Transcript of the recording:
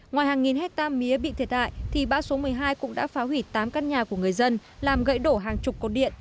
ngoài hàng nghìn hectare mía bị thiệt hại thì bão số một mươi hai cũng đã phá hủy tám căn nhà của người dân làm gãy đổ hàng chục cột điện